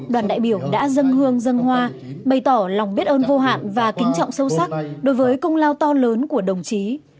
đoàn đại biểu đã dân hương dân hoa bày tỏ lòng biết ơn vô hạn và kính trọng sâu sắc đối với công lao to lớn của đồng chí